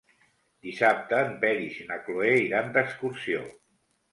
Dissabte en Peris i na Cloè iran d'excursió.